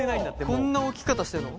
こんな置き方してるの？